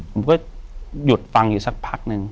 ผมก็หยุดฟังอยู่สักพักนึง